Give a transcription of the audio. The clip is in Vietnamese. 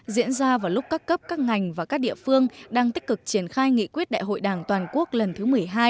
diễn ra vào lúc các cấp các ngành và các địa phương đang tích cực triển khai nghị quyết đại hội đảng toàn quốc lần thứ một mươi hai